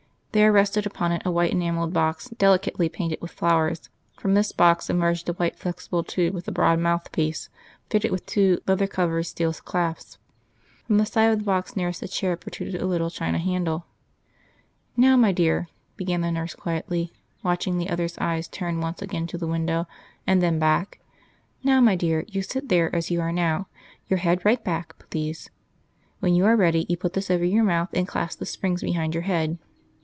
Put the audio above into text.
There rested upon it a white enamelled box, delicately painted with flowers. From this box emerged a white flexible tube with a broad mouthpiece, fitted with two leather covered steel clasps. From the side of the box nearest the chair protruded a little china handle. "Now, my dear," began the nurse quietly, watching the other's eyes turn once again to the window, and then back "now, my dear, you sit there, as you are now. Your head right back, please. When you are ready, you put this over your mouth, and clasp the springs behind your head....